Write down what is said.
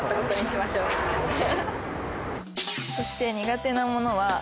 「そして苦手なものは」